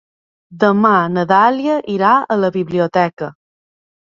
Demà na Dàlia irà a la biblioteca.